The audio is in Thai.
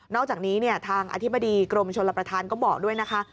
อกจากนี้ทางอธิบดีกรมชนรับประทานก็บอกด้วยนะคะ